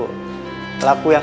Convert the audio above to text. laku yang selalu berhati hati